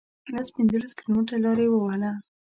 لس پنځلس کیلومتره لار یې ووهله.